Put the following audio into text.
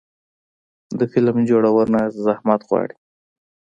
د فلم جوړونه زحمت غواړي.